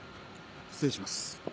失礼します。